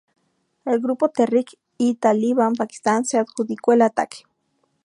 El grupo Tehrik-i-Taliban Pakistan se adjudicó el ataque.